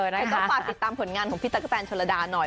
แล้วก็ฝากติดตามผลงานของพี่ตั๊กแฟนโชลดาหน่อย